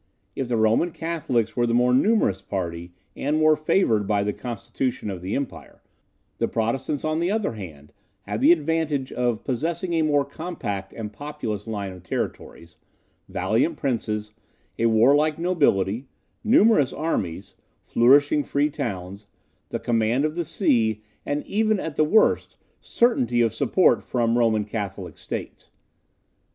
If the Roman Catholics were the more numerous party, and more favoured by the constitution of the empire, the Protestants, on the other hand, had the advantage of possessing a more compact and populous line of territories, valiant princes, a warlike nobility, numerous armies, flourishing free towns, the command of the sea, and even at the worst, certainty of support from Roman Catholic states.